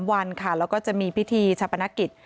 ๓วันครับแล้วก็จะมีพิธีชะปะนะกิฏ